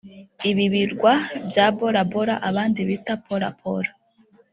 Ibi birwa bya Bora Bora abandi bita Pora Pora